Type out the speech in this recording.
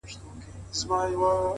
پرمختګ د نن له کوچنیو ګامونو جوړېږي,